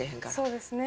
そうですね。